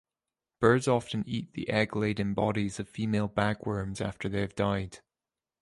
Birds often eat the egg-laden bodies of female bagworms after they have died.